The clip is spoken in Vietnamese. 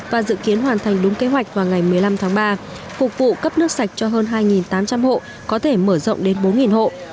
và dự kiến hoàn thành đúng kế hoạch vào ngày một mươi năm tháng ba phục vụ cấp nước sạch cho hơn hai tám trăm linh hộ có thể mở rộng đến bốn hộ